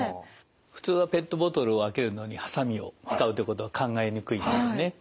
普通はペットボトルを開けるのにハサミを使うということは考えにくいですよね。